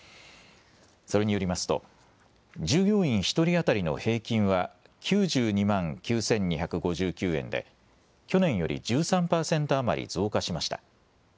それによりますと従業員１人当たりの平均は９２万９２５９円で去年より１３％余り増加しました。